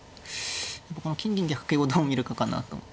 やっぱこのこの金銀逆形をどう見るかかなと思って。